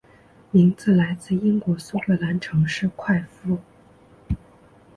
名字来自英国苏格兰城市快富。